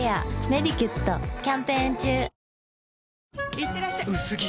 いってらっしゃ薄着！